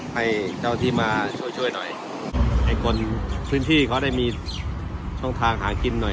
ให้เจ้าที่มาช่วยช่วยหน่อยให้คนพื้นที่เขาได้มีช่องทางหากินหน่อย